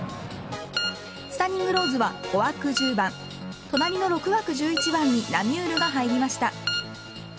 スタニングローズは５枠１０番隣の６枠１１番にナミュールが入りました。